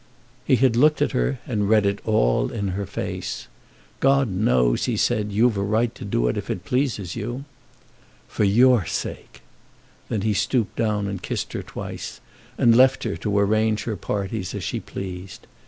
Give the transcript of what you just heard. He had looked at her, and read it all in her face. "God knows," he said, "you've a right to do it if it pleases you." "For your sake!" Then he stooped down and kissed her twice, and left her to arrange her parties as she pleased.